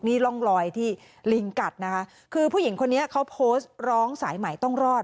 นี่ร่องรอยที่ลิงกัดนะคะคือผู้หญิงคนนี้เขาโพสต์ร้องสายใหม่ต้องรอด